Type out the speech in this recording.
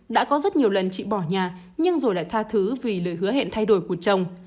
đã có rất nhiều lần chị bỏ nhà nhưng rồi lại tha thứ vì lời hứa hẹn thay đổi của chồng